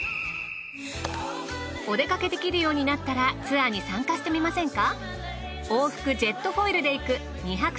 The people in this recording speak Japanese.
お出かけできるようになったらツアーに参加してみませんか？